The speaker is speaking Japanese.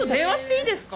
いいですか？